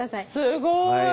すごい。